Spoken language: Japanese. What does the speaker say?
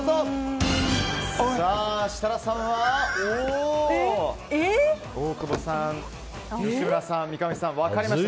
設楽さん大久保さん、吉村さん、三上さん分かれました。